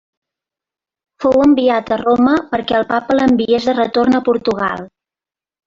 Fou enviat a Roma perquè el papa l'enviés de retorn a Portugal.